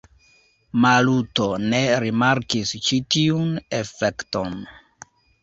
Maluto ne rimarkis ĉi tiun efekton.